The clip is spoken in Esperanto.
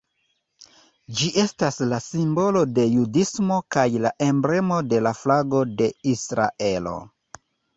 Ĝi estas la simbolo de judismo kaj la emblemo de la flago de Israelo.